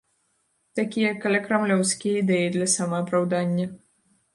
Такія калякрамлёўскія ідэі для самаапраўдання.